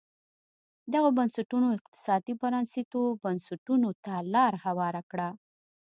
دغو بنسټونو اقتصادي پرانیستو بنسټونو ته لار هواره کړه.